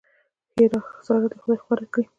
ښېرا؛ سار دې خدای خواره کړي!